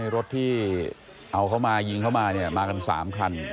รถที่เอาเข้ามายิงเข้ามามากัน๓คัน